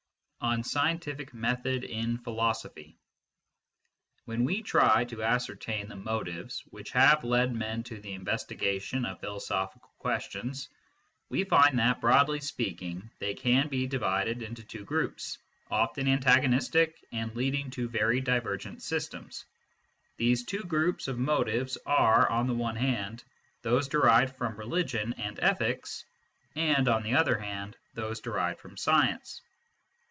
] ON SCIENTIFIC METHOD IN PHILOSOPHY WHEN we try to ascertain the motives which have led men to the investigation of philosophical questions, we find that, broadly speaking, they can be divided into two groups, often antagonistic, and leading to very divergent systems. These two groups of motives are, on the one hand, those derived from religion and ethics, and, on the other hand, those derived from science.